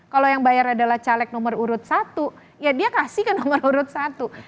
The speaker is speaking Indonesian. kalau yang bayar adalah caleg nomor urut satu ya dia kasih ke nomor urut satu